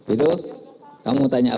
itu kamu tanya apa